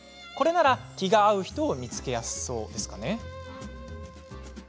これなら気が合う人を見つけやすそうですかね。